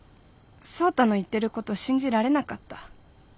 創太の言ってること信じられなかった。